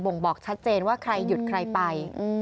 ่งบอกชัดเจนว่าใครหยุดใครไป